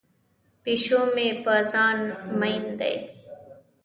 پیشو مې په ځان مین دی.